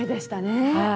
はい。